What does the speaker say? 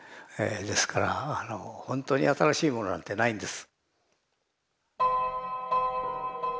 ですからほんとに新しいものなんてないんです。